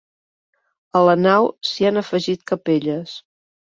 A la nau s'hi han afegit capelles.